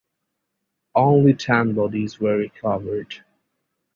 Only ten bodies were recovered.